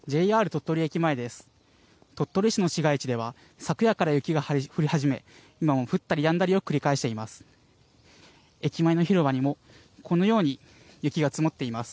鳥取市の市街地では昨夜から雪が激しく降り始め今も降ったりやんだりを繰り返しています。